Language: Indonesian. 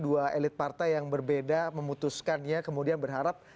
dua elit partai yang berbeda memutuskannya kemudian berharap